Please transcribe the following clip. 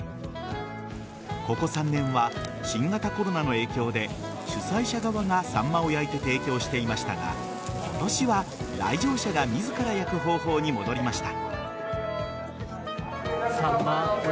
ここ３年は新型コロナの影響で主催者側がサンマを焼いて提供していましたが今年は、来場者が自ら焼く方法に戻りました。